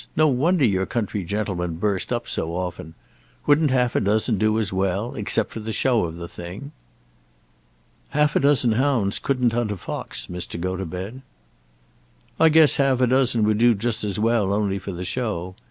No wonder your country gentlemen burst up so often. Wouldn't half a dozen do as well, except for the show of the thing?" "Half a dozen hounds couldn't hunt a fox, Mr. Gotobed." "I guess half a dozen would do just as well, only for the show.